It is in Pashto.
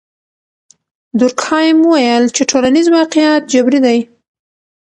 دورکهایم وویل چې ټولنیز واقعیت جبري دی.